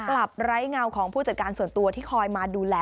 ไร้เงาของผู้จัดการส่วนตัวที่คอยมาดูแล